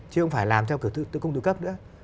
chứ không phải làm theo kiểu tư cung tư cấp nữa